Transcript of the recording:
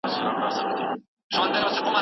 ډیر خلک انلاین تعلیم غوره کوي.